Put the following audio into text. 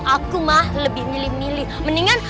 aku akan menganggap